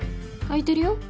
空いてるよ。